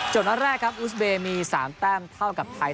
นัดแรกครับอุสเบย์มี๓แต้มเท่ากับไทย